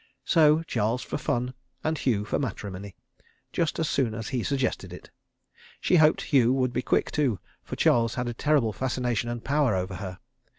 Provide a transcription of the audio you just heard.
So Charles for fun—and Hugh for matrimony, just as soon as he suggested it. She hoped Hugh would be quick, too, for Charles had a terrible fascination and power over her.